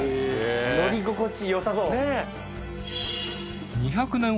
乗り心地よさそう。ねぇ。